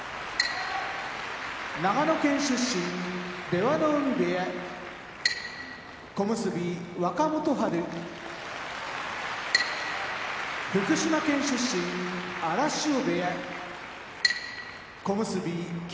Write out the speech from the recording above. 長野県出身出羽海部屋小結・若元春福島県出身荒汐部屋小結・霧